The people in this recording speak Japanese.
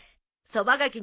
そばがき？